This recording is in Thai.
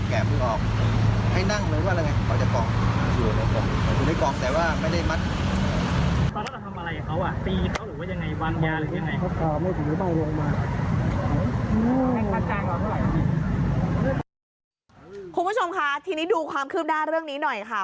คุณผู้ชมค่ะทีนี้ดูความคืบหน้าเรื่องนี้หน่อยค่ะ